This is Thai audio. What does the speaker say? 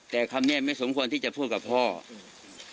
แต่คำเนี้ยไม่สมควรที่จะพูดกับพ่ออืม